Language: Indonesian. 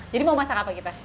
jadi mau masak apa kita